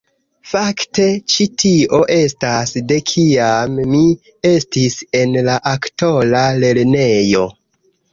Fakte, ĉi tio estas de kiam mi estis en la aktora lernejo